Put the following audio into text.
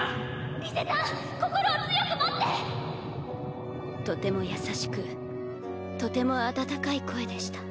リゼたん心を強く持っとても優しくとても温かい声でした。